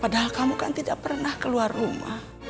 padahal kamu kan tidak pernah keluar rumah